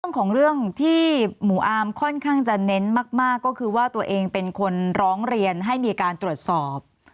เรื่องของเรื่องที่หมู่อาร์มค่อนข้างจะเน้นมากก็คือว่าตัวเองเป็นคนร้องเรียนให้มีการตรวจสอบ